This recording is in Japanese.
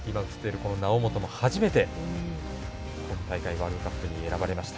猶本も初めて今大会、ワールドカップに選ばれました。